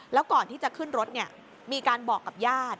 แล้วก่อนที่จะขึ้นรถมีการบอกกับญาติ